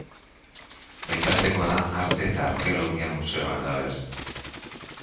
Aipatzekoa da Arte eta Arkeologia museoa halaber.